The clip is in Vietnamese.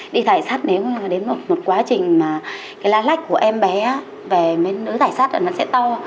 đi thải sát nếu đến một quá trình mà lá lách của em bé về mới thải sát nó sẽ to